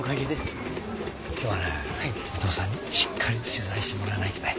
今日はね伊藤さんにしっかり取材してもらわないとね。